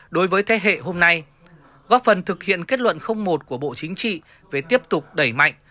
đối với thế hệ hôm nay góp phần thực hiện kết luận một của bộ chính trị về tiếp tục đẩy mạnh